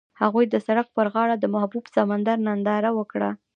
هغوی د سړک پر غاړه د محبوب سمندر ننداره وکړه.